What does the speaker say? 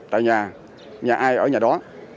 tại nhà nhà ai ở nhà đó